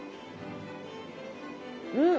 うん！